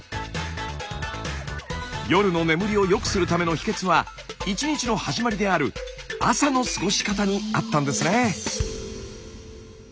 夜の眠りをよくするための秘けつは一日の始まりである朝の過ごし方にあったんですね。